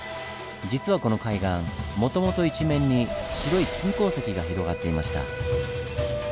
実はこの海岸もともと一面に白い金鉱石が広がっていました。